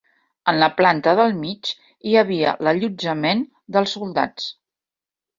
En la planta del mig hi havia l'allotjament dels soldats.